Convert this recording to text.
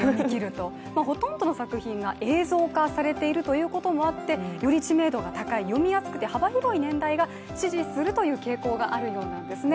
ほとんどの作品が映像化されていることもあってより知名度が高い、読みやすくて幅広い年代が支持するという傾向があるようなんですね。